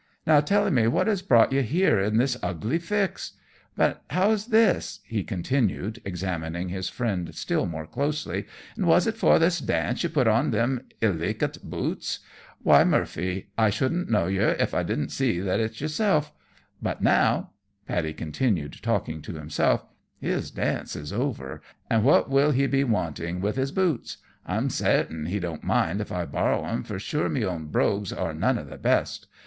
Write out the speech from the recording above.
Now tell me what has brought yer here in this ugly fix? But how's this?" he continued, examining his friend still more closely "and was it for this dance yer put on them iligant boots? Why, Murphy, I shouldn't know yer if I didn't see that it's yerself! But now," Paddy continued, talking to himself, "his dance is over, and what will he be wanting with his boots? I'm sartain he won't mind if I borrow them, for sure me own brogues are none of the best.